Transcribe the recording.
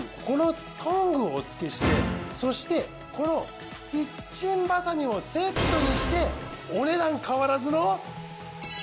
このトングをお付けしてそしてこのキッチンバサミもセットにしてお値段変わらずの。